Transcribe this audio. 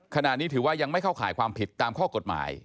ขณะนี้ถือว่ายังไม่เข้าข่ายความผิดตามข้อกฎหมาย